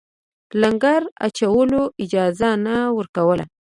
لنګر اچولو اجازه نه ورکوله.